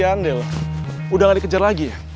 kasian deh lo udah gak dikejar lagi ya